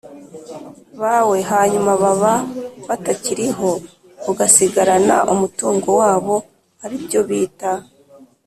bawe hanyuma baba batakiriho ugasigarana umutungo wabo ari byo bita